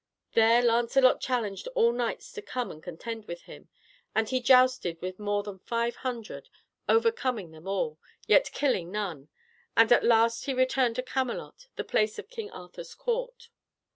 There Lancelot challenged all knights to come and contend with him, and he jousted with more than five hundred, overcoming them all, yet killing none, and at last he returned to Camelot, the place of King Arthur's court.